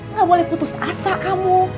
nggak boleh putus asa kamu